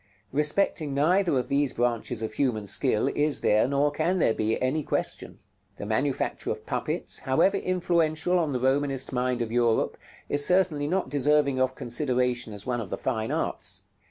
Respecting neither of these branches of human skill is there, nor can there be, any question. The manufacture of puppets, however influential on the Romanist mind of Europe, is certainly not deserving of consideration as one of the fine arts.